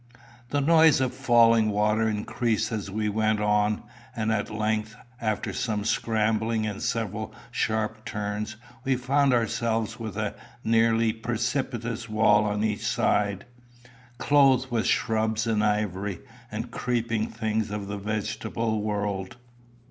The noise of falling water increased as we went on, and at length, after some scrambling and several sharp turns, we found ourselves with a nearly precipitous wall on each side, clothed with shrubs and ivy, and creeping things of the vegetable world.